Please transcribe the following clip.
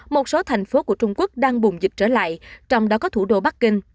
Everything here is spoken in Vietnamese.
một số thành phố của trung quốc đang bùng dịch trở lại trong đó có thủ đô bắc kinh